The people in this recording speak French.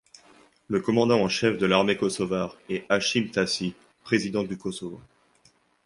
Le commandant en chef de l'armée kosovare est Hashim Thaçi, président du Kosovo.